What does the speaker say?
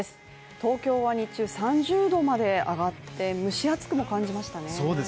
東京は日中３０℃まで上がって蒸し暑くも感じましたね